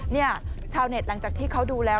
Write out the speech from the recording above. ชาวเน็ตหลังจากที่เขาดูแล้ว